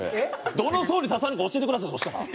どの層に刺さるか教えてくださいそしたら。